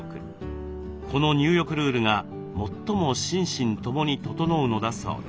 この入浴ルールが最も心身共に整うのだそうです。